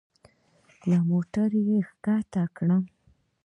له موټره يې کښته کړم.